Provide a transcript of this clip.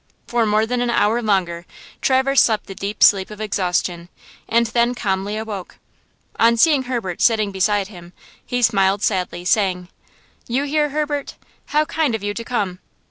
For more than an hour longer Traverse slept the deep sleep of exhaustion, and then calmly awoke. On seeing Herbert sitting beside him, he smiled sadly, saying: "You here, Herbert? How kind of you to come.